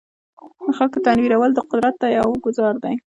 د خلکو تنویرول د قدرت ته یو ګوزار دی.